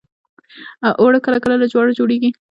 اوړه کله کله له جوارو جوړیږي